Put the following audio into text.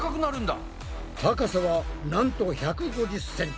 高さはなんと１５０ｃｍ！